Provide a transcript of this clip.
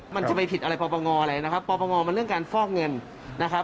มันจะไปผิดอะไรปปงอะไรนะครับปปงมันเรื่องการฟอกเงินนะครับ